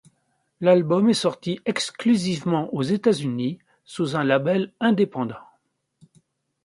L'album est sorti exclusivement aux États-Unis sous un label indépendant.